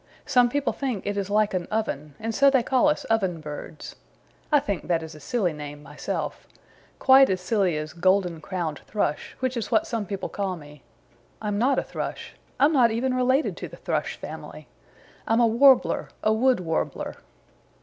Some people think it is like an oven and so they call us Oven Birds. I think that is a silly name myself, quite as silly as Golden Crowned Thrush, which is what some people call me. I'm not a Thrush. I'm not even related to the Thrush family. I'm a Warbler, a Wood Warbler."